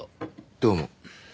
どうも。